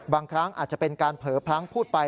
บางครั้งอาจจะเป็นการเผลอพลั้งพูดไป